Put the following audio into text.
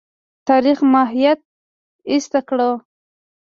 تاریخي ماهیت ایسته کړو.